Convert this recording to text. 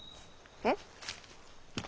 えっ？